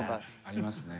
ありますね。